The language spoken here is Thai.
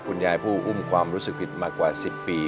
คุณยายผู้อุ้มความรู้สึกผิดมากกว่าสิบปี